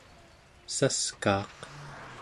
saskaaq